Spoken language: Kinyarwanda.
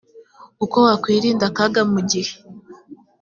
uko wakwirinda akaga mu gihe